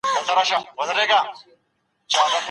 ولې کورني شرکتونه کرنیز ماشین الات له ازبکستان څخه واردوي؟